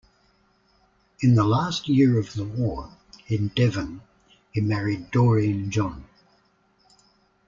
In the last year of the war, in Devon, he married Doreen John.